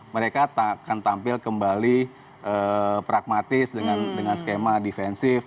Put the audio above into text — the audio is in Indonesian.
mereka akan tampil kembali pragmatis dengan skema defensif